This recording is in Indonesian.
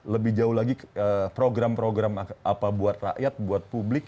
lebih jauh lagi program program apa buat rakyat buat publik